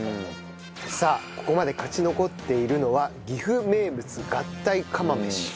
さあここまで勝ち残っているのは岐阜名物合体釜飯。